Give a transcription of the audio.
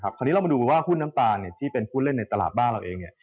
คราวนี้เรามาดูว่าหุ้นน้ำตาลที่เป็นผู้เล่นในตลาดบ้านเราเอง